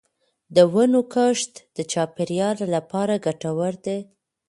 د ونو کښت د چاپېریال لپاره ګټور دی.